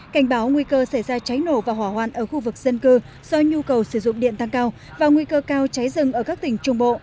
cảnh báo nguy cơ xảy ra cháy nổ và hỏa hoạn ở khu vực dân cư do nhu cầu sử dụng điện tăng cao và nguy cơ cao cháy rừng ở các tỉnh trung bộ